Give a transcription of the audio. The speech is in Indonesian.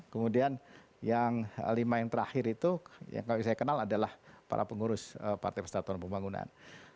kemudian yang lima yang terakhir itu yang kalau saya kenal adalah para pengurus partai persatuan pembangunan